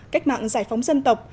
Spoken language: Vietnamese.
cách mạng giải phóng dân tộc